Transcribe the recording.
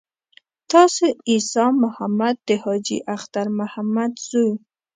تاسو عیسی محمد د حاجي اختر محمد زوی.